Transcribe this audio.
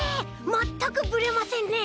まったくブレませんね！